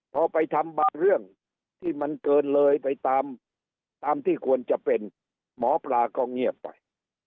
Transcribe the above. พอไปทำบางเรื่องที่มันเกินเลยไปตามตามที่ควรจะเป็นหมอปลาก็เงียบไป